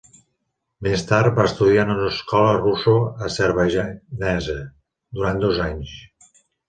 Més tard, va estudiar en una escola russo-azerbaidjanesa durant dos anys.